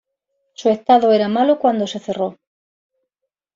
Su estado era malo cuando se cerró.